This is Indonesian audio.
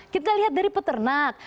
kita lihat dari peternak